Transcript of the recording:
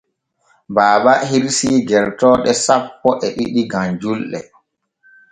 Baaba hirsii gertooɗo sappo e ɗiɗi gam julɗe.